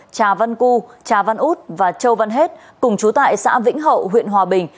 trà văn cu trà văn út và châu văn hết cùng chú tại xã vĩnh hậu huyện hòa bình